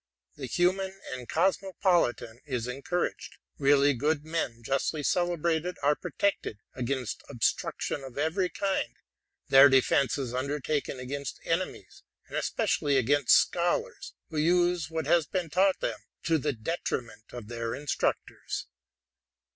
The human and cosmopolitan is encouraged: really good men justly celebrated are protected against obtrusion of every kind: their defence is undertaken against enemies, and especially against scholars who use what has been taught them to the detriment of their instructors.